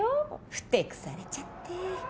ふてくされちゃって。